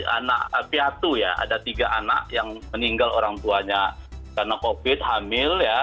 anak piatu ya ada tiga anak yang meninggal orang tuanya karena covid hamil ya